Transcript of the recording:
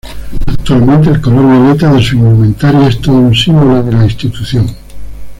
Actualmente, el color violeta de sus indumentarias es todo un símbolo de la institución.